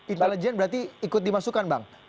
intelijen berarti ikut dimasukkan bang